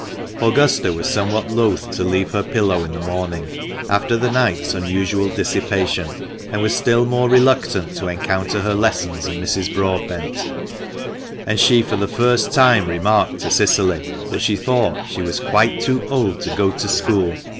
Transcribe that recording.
Augusta was somewhat loth to leave her pillow in the morning, after the night's unusual dissipation, and was still more reluctant to encounter her lessons and Mrs. Broadbent ; and she for the WHITE HART, WHALEY BRIDGE. THE MANCHESTER MAN. 225 first time remarked to Cicily that she thought she was "quite too old to go to school."